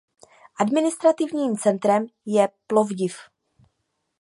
Administrativním centrem je Plovdiv.